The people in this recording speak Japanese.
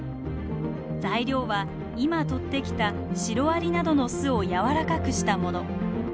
材料は今取ってきたシロアリなどの巣をやわらかくしたもの。